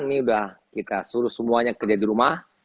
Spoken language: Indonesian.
ini sudah kita suruh semuanya kerja di rumah